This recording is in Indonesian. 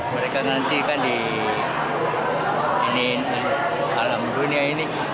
mereka nanti kan di alam dunia ini